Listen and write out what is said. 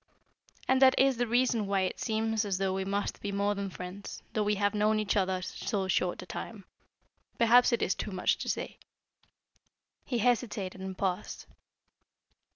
"And that is the reason why it seems as though we must be more than friends, though we have known each other so short a time. Perhaps it is too much to say." He hesitated, and paused.